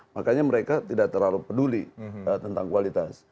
makanya mereka tidak terlalu peduli tentang kualitas